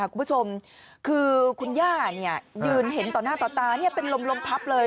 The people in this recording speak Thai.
อ่ะคุณผู้ชมคือคุณย่าเนี่ยยืนเห็นต่อหน้าต่อตานี่เป็นลมลมพับเลย